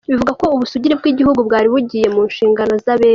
Bivuga ko ubusugire bw’igihugu bwari bugiye mu nshingano z’abera.